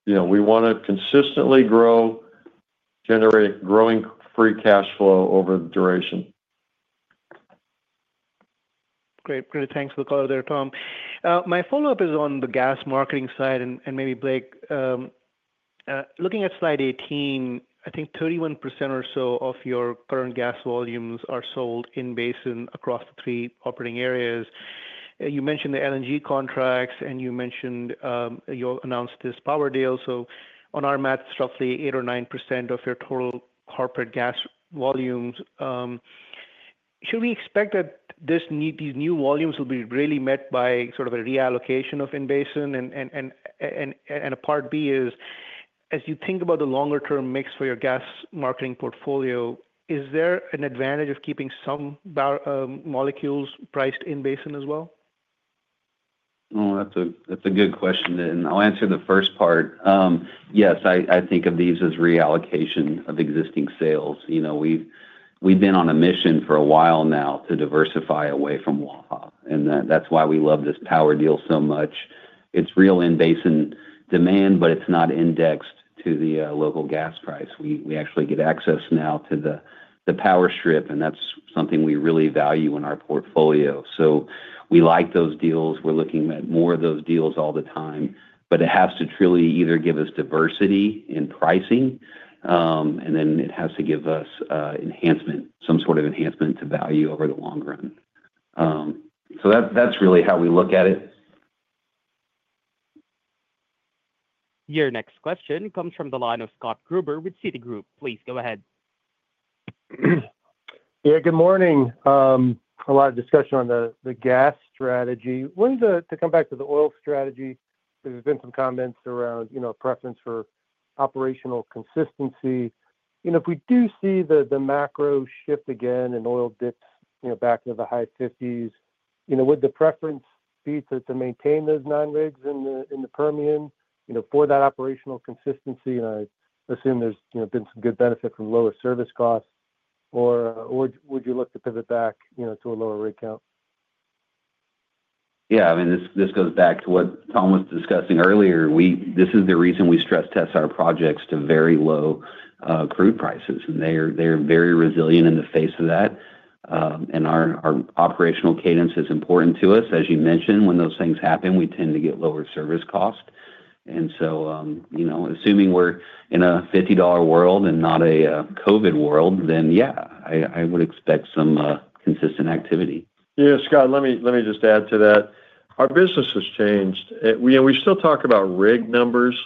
We want to consistently grow, generate growing free cash flow over the duration. Great, thanks for the color there, Tom. My follow up is on the gas marketing side and maybe Blake, looking at slide 18, I think 31% or so of your current gas volumes are sold in Basin across the three operating areas. You mentioned the LNG contracts and you mentioned you announced this power deal. On our math, roughly 8% or 9% of your total corporate gas volumes. Should we expect that this need, these new volumes will be really met by sort of a reallocation of in-basin and part B is as you think about the longer term mix for your gas marketing portfolio, is there an advantage of keeping some molecules priced in-basin as well? Oh, that's a good question and I'll answer the first part. Yes, I think of these as reallocation of existing sales. You know, we've been on a mission for a while now to diversify away from Waha and that's why we love this power deal so much. It's real in-basin demand, but it's not indexed to the local gas price. We actually get access now to the power strip, and that's something we really value in our portfolio. We like those deals, we're looking at more of those deals all the time. It has to truly either give us diversity in pricing, and then it has to give us enhancement, some sort of enhancement to value over the long run. That's really how we look at it. Your next question comes from the line of Scott Gruber with Citigroup. Please go ahead. Yeah, good morning. A lot of discussion on the gas strategy. Wanted to come back to the oil strategy. There's been some comments around preference for operational consistency if we do see the macro shift again in oil dips, you know, back to the high 50s, with the preference be to maintain those nine rigs in the Permian for that operational consistency. I assume there's been some good benefit from lower service costs, or would you look to pivot back to a lower rig count? Yeah, I mean this goes back to what Tom was discussing earlier. This is the reason we stress test our projects to very low crude prices, and they're very resilient in the face of that. Our operational cadence is important to us. As you mentioned, when those things happen, we tend to get lower service cost. Assuming we're in a $50 world and not a COVID world, then yeah, I would expect some consistent activity. Yeah, Scott, let me just add to that. Our business has changed. We still talk about rig numbers,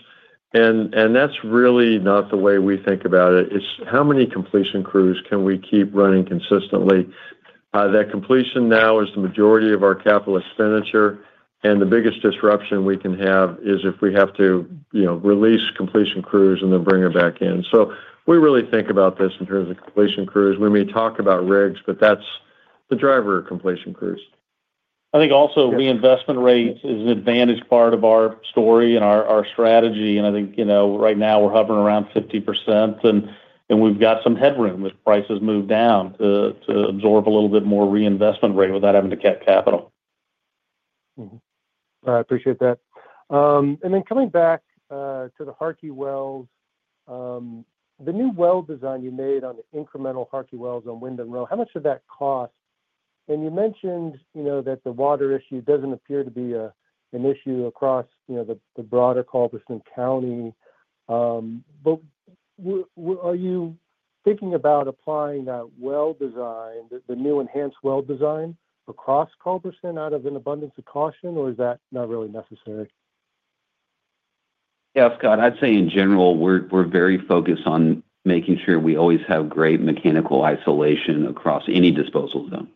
and that's really not the way we think about it. It's how many completion crews can we keep running consistently? That completion now is the majority of our capital expenditures. The biggest disruption we can have is if we have to release completion crews and then bring it back in. We really think about this in terms of completion crews. We may talk about rigs, but that's the driver of completion crews. I think also reinvestment rate is an advantage, part of our story and our strategy. I think right now we're hovering around 50%, and we've got some headroom if prices move down to absorb a little bit more reinvestment rate without having to cut capital. I appreciate that. Coming back to the Harkey well, the new well design you made on the incremental Harkey wells on Windham Row, how much did that cost? You mentioned that the water issue doesn't appear to be an issue across the broader Culberson County. Are you thinking about applying that well design, the new enhanced well design across Culberson out of an abundance of caution, or is that not really necessary? Yeah, Scott, I'd say in general, we're very focused on making sure we always have great mechanical isolation across any disposal zone.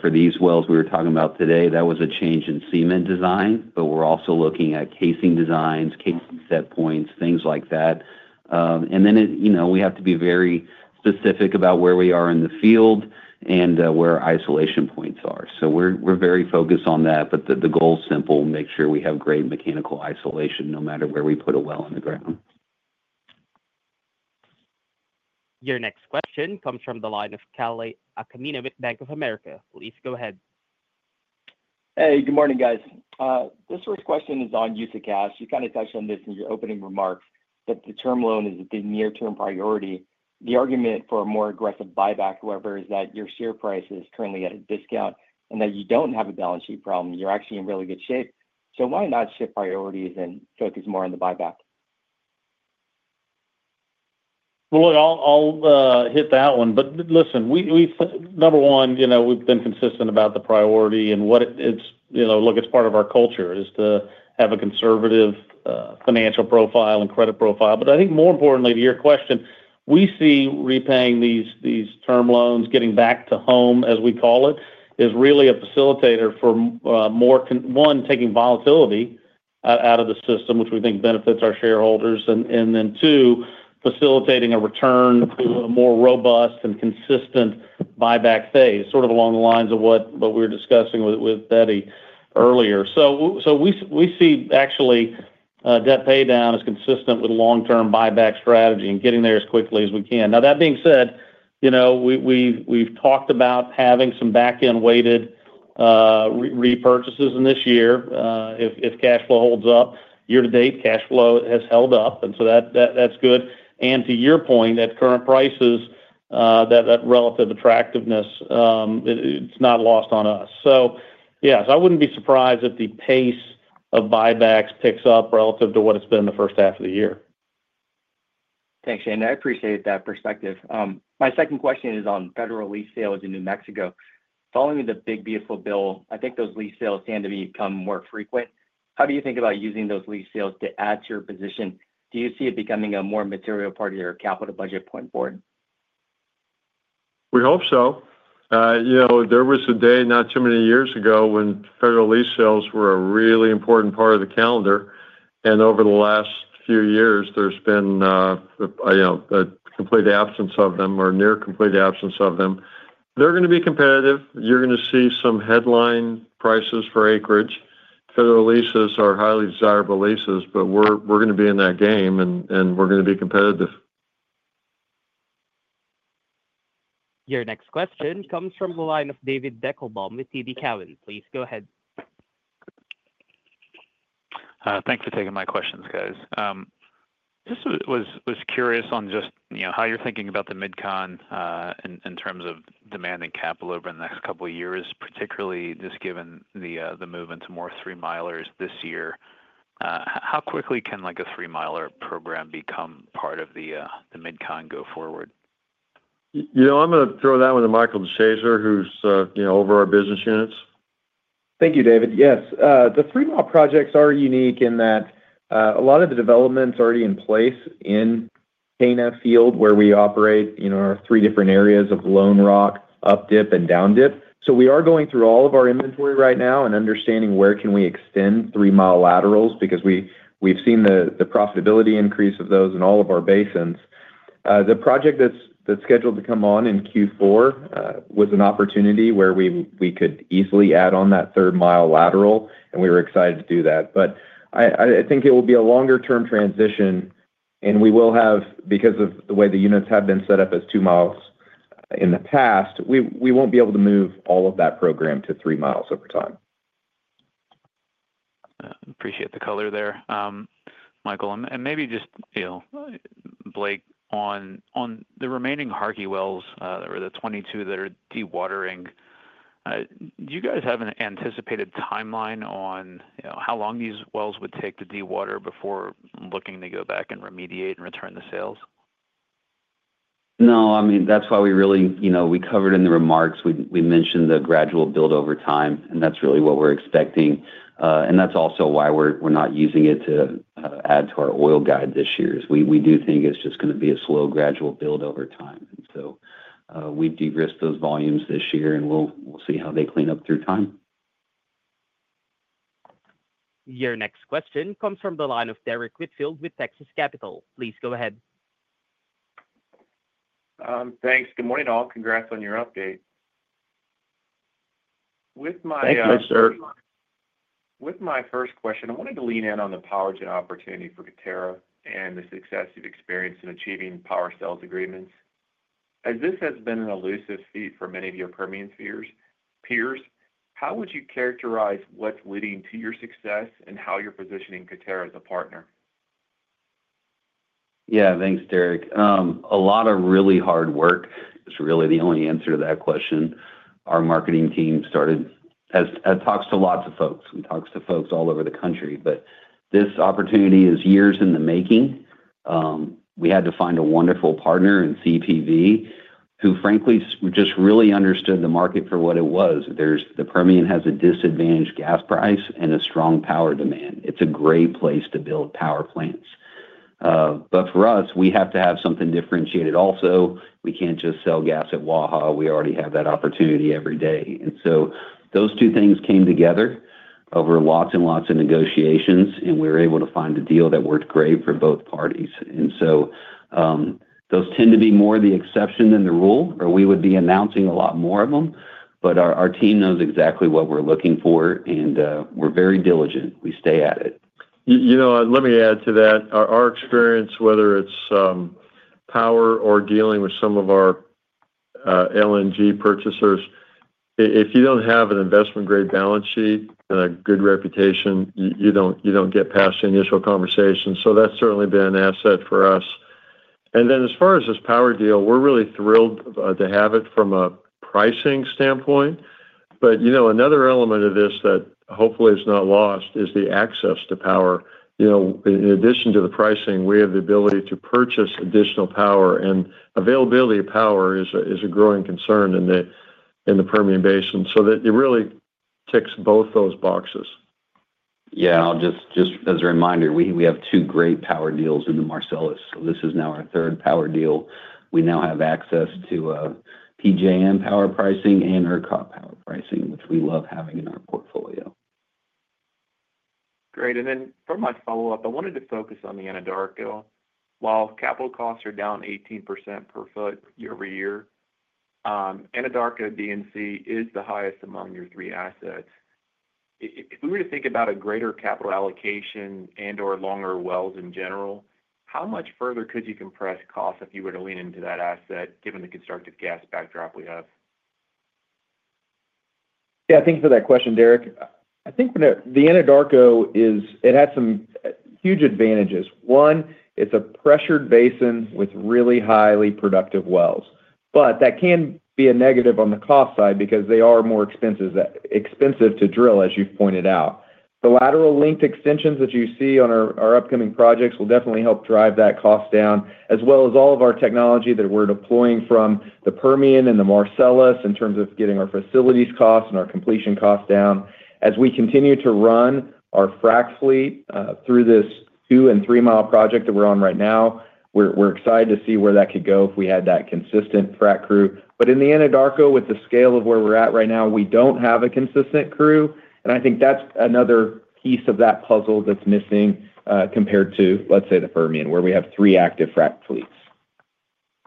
For these wells we were talking about today, that was a change in cement design, but we're also looking at casing designs, casing set points, things like that. We have to be very specific about where we are in the field and where isolation points are. We're very focused on that. The goal is simple. Make sure we have great mechanical isolation no matter where we put a well on the ground. Your next question comes from the line of Kalei Akamine, Bank of America, please go ahead. Hey, good morning, guys. This first question is on use of cash. You kind of touched on this in your opening remarks, the term loan is the near term priority. The argument for a more aggressive buyback however, is that your share price is currently at a discount, and that you don't have a balance sheet problem. You're actually in really good shape, so why not shift priorities and focus more on the buyback? I'll hit that one. Number one, we've been consistent about the priority and what it's, you know, it's part of our culture to have a conservative financial profile and credit profile. I think more importantly to your question, we see repaying these term loans, getting back to home as we call it, is really a facilitator for, one, taking volatility out of the system which we think benefits our shareholders and, two, facilitating a return to a more robust and consistent buyback phase, sort of along the lines of what we were discussing with Betty earlier. We see debt pay down as consistent with long term buyback strategy and getting there as quickly as we can. That being said, we've talked about having some back end weighted repurchases in this year if cash flow holds up. Year to date cash flow has held up and that's good. To your point, at current prices that relative attractiveness is not lost on us. Yes, I wouldn't be surprised if the pace of buybacks picks up relative to what it's been the first half of the year. Thanks, Shane. I appreciate that perspective. My second question is on federal lease sales in New Mexico. Following the big beautiful bill, I think those lease sales tend to become more frequent. How do you think about using those lease sales to add to your position? Do you see it becoming a more material part of your capital budget point forward? We hope so. You know, there was a day not too many years ago when federal lease sales were a really important part of the calendar, and over the last few years there's been complete absence of them or near complete absence of them. They're going to be competitive. You're going to see some headline prices for acreage. Federal leases are highly desirable leases, but we're going to be in that game and we're going to be competitive. Your next question comes from the line of David Deckelbaum with TD Cowen. Please go ahead. Thanks for taking my questions, guys. I was curious on just how you're thinking about the MidCon in terms of demanding capital over the next couple of years, particularly just given the move into more three milers this year. How quickly can like a three miler program become part of the MidCon go forward? I'm going to throw that one to Michael DeShazer, who's over our business units. Thank you, David. Yes, the 3 mi projects are unique in that a lot of the developments are already in place in [Kaynet] field where we operate, you know, our three different areas of Lone Rock, updip, and downdip. We are going through all of our inventory right now and understanding where we can extend 3 mi laterals because we've seen the profitability increase of those in all of our basins. The project that's scheduled to come on in Q4 was an opportunity where we could easily add on that third-mile lateral, and we were excited to do that. I think it will be a longer-term transition, and we will have, because of the way the units have been set up as 2 mi in the past, we won't be able to move all of that program to 3 mi over time. Appreciate the color there, Michael. Maybe just Blake, on the remaining Harkey wells or the 22 that are dewatering. Do you guys have an anticipated timeline on how long these wells would take to dewater before looking to go back and remediate and return the sales? No. That's why we really, you know, we covered in the remarks, we mentioned the gradual build over time, and that's really what we're expecting, and that's all. Also, why we're not using it to add to our oil guide this year is we do think it's just going to be a slow, gradual build over time. We've de-risked those volumes this year, and we'll see how they clean up through time. Your next question comes from the line of Derrick Whitfield with Texas Capital. Please go ahead. Thanks. Good morning all. Congrats on your update. Thanks Derrick. With my first question, I wanted to lean in on the power gen opportunity for Coterra and the success you've experienced in achieving power sales agreements. As this has been an elusive feat for many of your Permian peers, how would you characterize what's leading to your success and how you're positioning Coterra as a partner? Yeah, thanks, Derrick. A lot of really hard work is really the only answer to that question. Our marketing team started as talks to lots of folks, we talked to folks all over the country. This opportunity is years in the making. We had to find a wonderful partner in CPV who frankly just really understood the market for what it was. The Permian has a disadvantaged gas price and a strong power demand. It's a great place to build power plants. For us, we have to have something differentiated. Also, we can't just sell gas at Waha. We already have that opportunity every day. Those things came together over lots and lots of negotiations and we were able to find a deal that worked great for both parties. Those tend to be more the exception than the rule or we would be announcing a lot more of them. Our team knows exactly what we're looking for and we're very diligent. We stay at it. Let me add to that. Our experience, whether it's power or dealing with some of our LNG purchasers, if you don't have an investment grade balance sheet and a good reputation, you don't get past the initial conversation. That's certainly been an asset for us. As far as this power deal, we're really thrilled to have it from a pricing standpoint. Another element of this that hopefully is not lost is the access to power. In addition to the pricing, we have the ability to purchase additional power. Availability of power is a growing concern in the Permian basin. It really ticks both those boxes. Yeah, just as a reminder, we have two great power deals in the Marcellus, so this is now our third power deal. We now have access to PJM power pricing and ERCOT power pricing, which we love having in our portfolio. Great. For my follow up, I wanted to focus on the Anadarko. While capital costs are down 18% per foot year-over-year, Anadarko D&C is the highest among your three assets. If we were to think about a greater capital allocation and or longer wells in general, how much further could you compress costs if you were to lean into that asset, given the constructive gas backdrop we have? Yeah, thanks for that question, Derrick. I think the Anadarko has some huge advantages. One, it's a pressured basin with really highly productive wells. That can be a negative on the cost side because they are more expensive to drill, as you've pointed out. The lateral length extensions that you see on our upcoming projects will definitely help drive that cost down, as well as all of our technology that we're deploying from the Permian and the Marcellus in terms of getting our facilities costs and our completion costs down. As we continue to run our frac fleet through this 2 mi and 3 mi project that we're on right now, we're excited to see where that could go if we had that consistent frac crew. In the Anadarko, with the scale of where we're at right now, we don't have a consistent crew. I think that's another piece of that puzzle that's missing compared to, let's say, the Permian where we have three active frac fleets.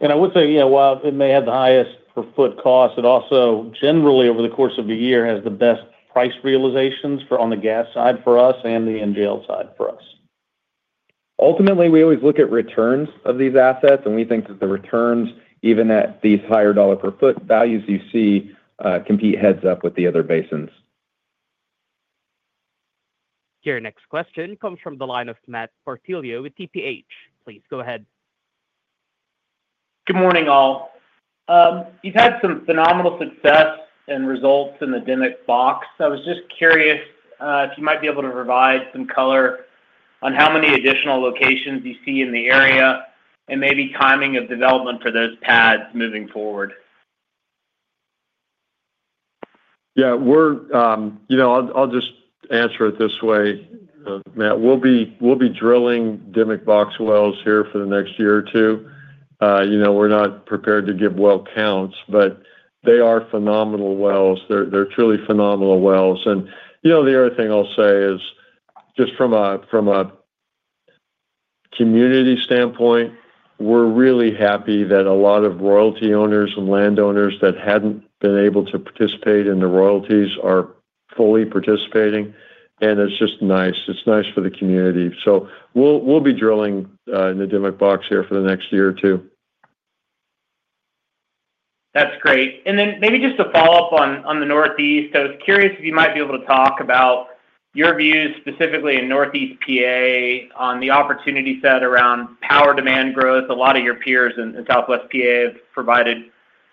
I would say, yeah, while it may have the highest per foot cost, it also generally over the course of the year has the best price realizations for on the gas side for us and the NGL side for us. Ultimately, we always look at returns of these assets, and we think that the returns, even at these higher dollar per foot values, you see, compete heads up with the other basins. Your next question comes from the line of Matt Portillo with TPH. Please go ahead. Good morning all. You've had some phenomenal success and results in the Dimock box. I was just curious if you might be able to provide some color on how many additional locations you see in the area and maybe timing of development for those pads moving forward. Yeah, you know, I'll just answer it this way, Matt. We'll be drilling Dimock box wells here for the next year or two. We're not prepared to give well counts, but they are phenomenal wells. They're truly phenomenal wells. The other thing I'll say is just from a community standpoint, we're really happy that a lot of royalty owners and landowners that hadn't been able to participate in the royalties are fully participating. It's just nice, it's nice for the community. We'll be drilling in the Dimock box here for the next year or two. That's great. Maybe just a follow up on the Northeast. I was curious if you might be able to talk about your views specifically in Northeast PA on the opportunity set around power demand growth. A lot of your peers in Southwest PA have provided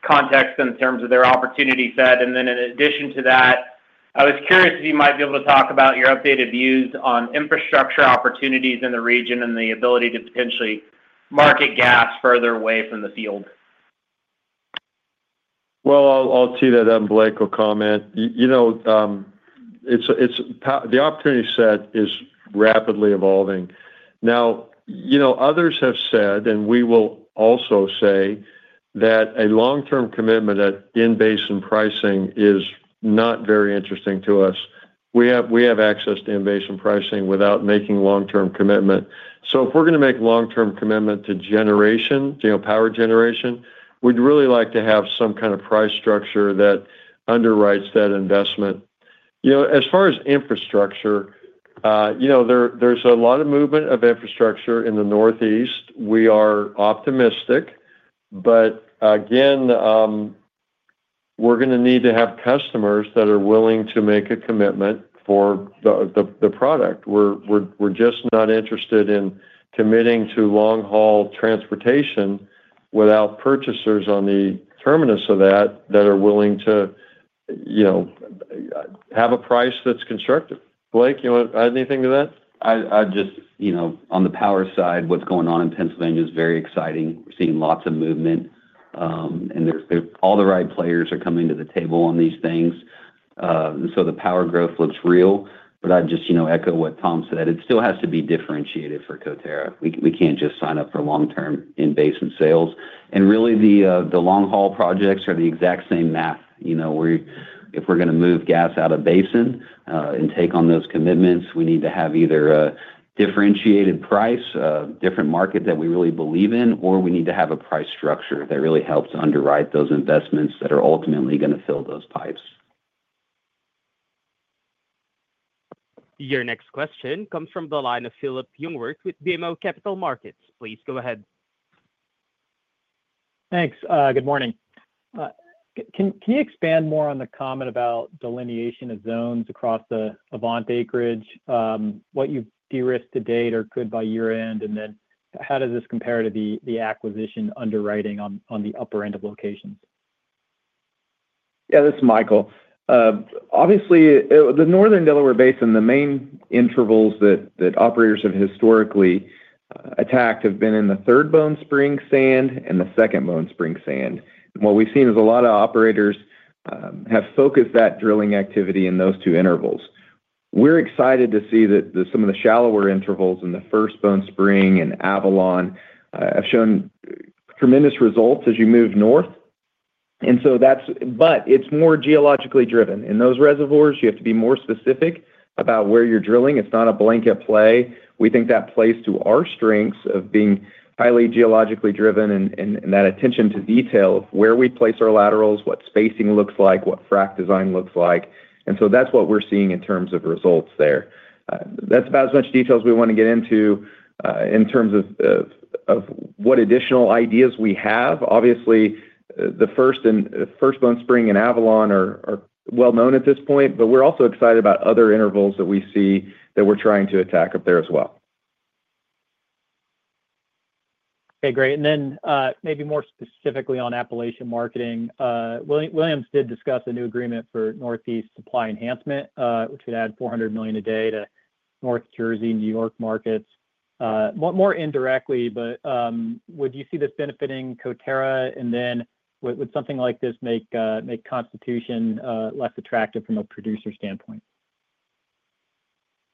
context in terms of their opportunity set. In addition to that, I was curious if you might be able to talk about your updated views on infrastructure opportunities in the region and the ability to potentially market gas further away from the field. I'll tee that up. Blake will comment. The opportunity set is rapidly evolving now. Others have said, and we will also say that a long term commitment at in-basin pricing is not very interesting to us. We have access to in-basin pricing without making long term commitment. If we're going to make long term commitment to generation, power generation, we'd really like to have some kind of price structure that underwrites that investment. As far as infrastructure, there is a lot of movement of infrastructure in the Northeast. We are optimistic, but again we're going to need to have customers that are willing to make a commitment for the product. We're just not interested in committing to long haul transportation without purchasers on the terminus of that that are willing to have a price that's constructive. Blake, you want to add anything to that? On the power side, what's going on in Pennsylvania is very exciting. We're seeing lots of movement and all the right players are coming to the table on these things. The power growth looks real. I echo what Tom said. It still has to be differentiated for Coterra. We can't just sign up for in-basin sales. The long haul projects are the exact same math. If we're going to move gas out of basin and take on those commitments, we need to have either a differentiated price, a different market that we really believe in, or we need to have a price structure that really helps underwrite those investments that are ultimately going to fill those pipes. Your next question comes from the line of Phillip Jungwirth with BMO Capital Markets. Please go ahead. Thanks. Good morning. Can you expand more on the comment about delineation of zones across the Avant acreage? What you de-risk to date or could by year end? How does this compare to the acquisition underwriting on the upper end of locations? Yeah, this is Michael. Obviously, the Northern Delaware Basin. The main intervals that operators have historically attacked have been in the third Bone Spring sand and the second Bone Spring sand. What we've seen is a lot of operators have focused that drilling activity in those two intervals. We're excited to see that some of the shallower intervals in the first Bone Spring and Avalon have shown tremendous results as you move north. It is more geologically driven in those reservoirs. You have to be more specific about where you're drilling. It's not a blanket play. We think that plays to our strengths of being highly geologically driven and that attention to detail, where we place our laterals, what spacing looks like, what frac design looks like. That's what we're seeing in terms of results there. That's about as much detail as we want to get into in terms of what additional ideas we have. Obviously, the first Bone Spring and Avalon are well known at this point, but we're also excited about other intervals that we see that we're trying to attack up there as well. Okay, great. Maybe more specifically on Appalachian marketing, Williams did discuss a new agreement for Northeast Supply Enhancement, which would add 400 million a day to North Jersey New York markets more indirectly. Would you see this benefiting Coterra? Would something like this make Constitution less attractive from a producer standpoint?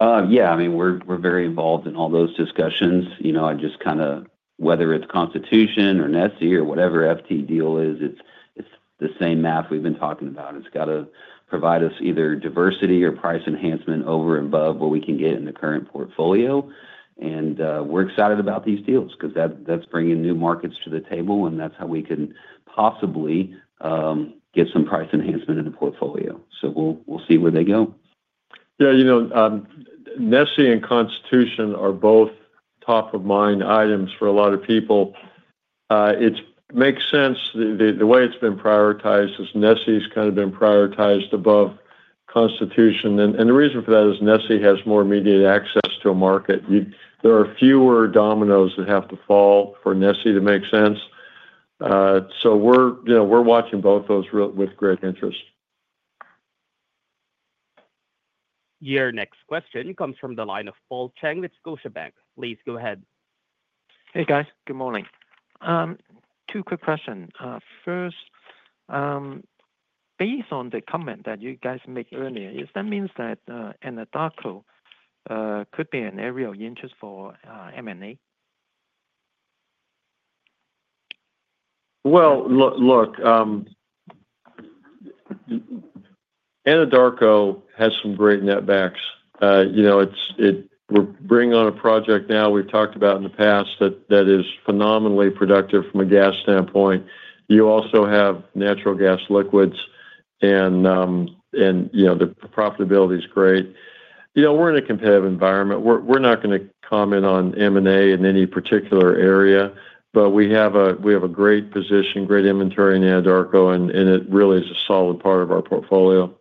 Yeah, I mean we're very involved in all those discussions. You know, whether it's Constitution or NESE or whatever FT deal it is, it's the same math we've been talking about. It's got to provide us either diversity or price enhancement over and above what we can get in the current portfolio. We're excited about these deals because that's bringing new markets to the table and that's how we can possibly get some price enhancement in the portfolio. We'll see where they go. Yeah, you know, NESE and Constitution are both top of mind items for a lot of people. It makes sense. The way it's been prioritized is NESE has kind of been prioritized above Constitution, and the reason for that is NESE has more immediate access to a market. There are fewer dominoes that have to fall for NESE to make sense. We're watching both those with great interest. Your next question comes from the line of Paul Cheng with Scotiabank. Please go ahead. Hey guys, good morning. Two quick questions. First, based on the comment that you guys made earlier, that means that Anadarko could be an area of interest for M&A. Anadarko has some great netbacks. You know, we're bringing on a project now we've talked about in the past that is phenomenally productive from a gas standpoint. You also have natural gas liquids and the profitability is great. We're in a competitive environment. We're not going to comment on M&A in any particular area. We have a great position, great inventory in Anadarko and it really is a solid part of our portfolio.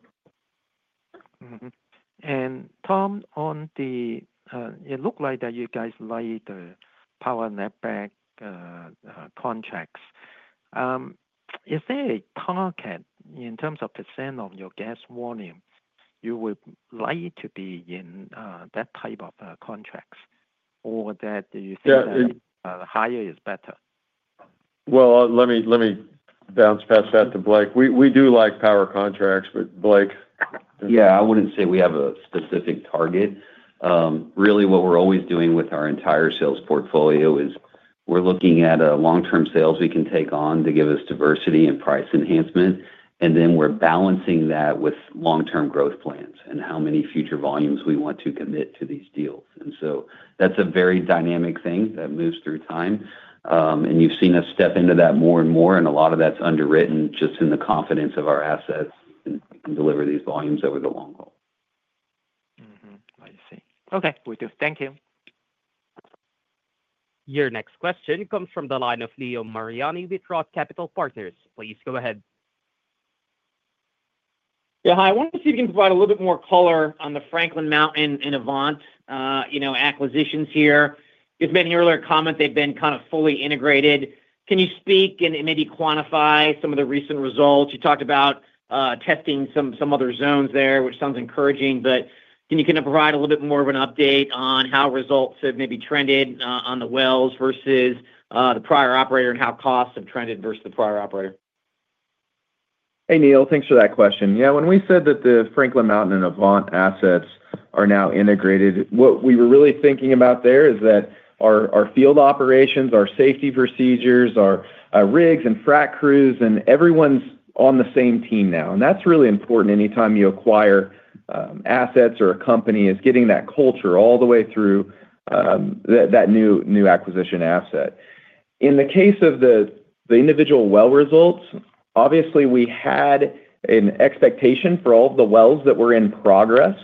Tom, it looks like that you guys like the power netback contracts. Is there a target in terms of percent of your gas volume you would like to be in that type of contracts or do [you think] higher is better? Let me bounce past that to Blake. We do like power contracts, but Blake. Yeah, I wouldn't say we have a specific target. Really, what we're always doing with our entire sales portfolio is we're looking at long-term sales we can take on to give us diversity and price enhancement, and then we're balancing that with long-term growth plans and how many future volumes we want to commit to these deals. That is a very dynamic thing that moves through time, and you've seen us step into that more and more. A lot of that's underwritten just in the confidence of our assets to deliver these volumes over the long haul. I see. Okay, thank you. Your next question comes from the line of Leo Mariani with Roth Capital Partners. Please go ahead. Yeah, hi. I want to see if you can provide a little bit more color on the Franklin Mountain and Avant acquisitions here. You've made an earlier comment. They've been kind of fully integrated. Can you speak and maybe quantify some of the recent results, you talked about testing some other zones there, which sounds encouraging. Can you kind of provide a little bit more of an update on how results have maybe trended on the wells versus the prior operator, and how costs have trended versus the prior operator? Hey, Neil, thanks for that question. Yeah. When we said that the Franklin Mountain and Avant assets are now integrated, what we were really thinking about there is that our field operations, our safety procedures, our rigs and frac crews, and everyone's on the same team now. That's really important anytime you acquire assets or a company, getting that culture all the way through that new acquisition asset. In the case of the individual well results, we had an expectation for all the wells that were in progress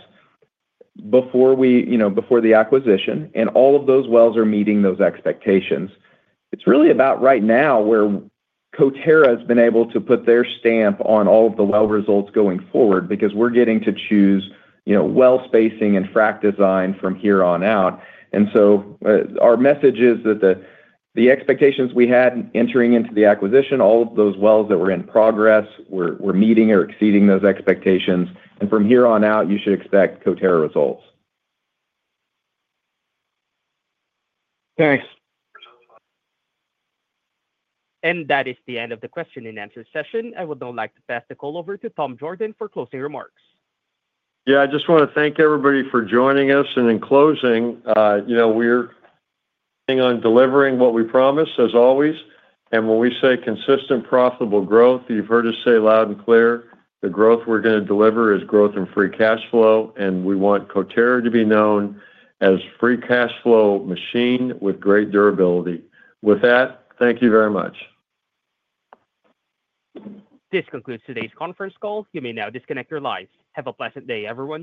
before the acquisition, and all of those wells are meeting those expectations. It's really about right now where Coterra has been able to put their stamp on all of the well results going forward, because we're getting to choose well spacing and frac design from here on out. Our message is that the expectations we had entering into the acquisition, all of those wells that were in progress, were meeting or exceeding those expectations from here on out, you should expect Coterra results. Thanks. That is the end of the question and answer session. I would now like to pass the call over to Tom Jorden for closing remarks. Yeah, I just want to thank everybody for joining us. In closing, you know, we're delivering what we promised, as always. When we say consistent, profitable growth, you've heard us say loud and clear, the growth we're going to deliver is growth in free cash flow. We want Coterra to be known as a free cash flow machine with great durability. With that, thank you very much. This concludes today's conference call. You may now disconnect your line. Have a pleasant day, everyone.